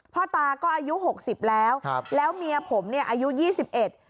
พ่อตาก็อายุหกสิบแล้วแล้วเมียผมอายุยี่สิบเอ็ด